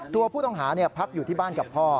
ตัวผู้ต้องหาพักอยู่ที่บ้านกับพ่อ